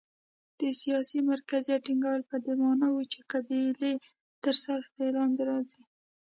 د سیاسي مرکزیت ټینګول په دې معنا و چې قبیلې تر سلطې لاندې راځي.